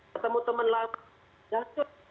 ketemu teman lama jancur